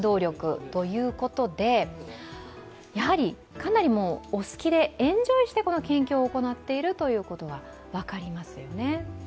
かなりお好きでエンジョイしてこの研究を行っていることが分かりますよね。